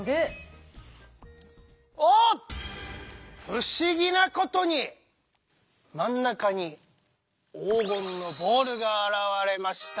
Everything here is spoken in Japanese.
不思議なことに真ん中に黄金のボールが現れました。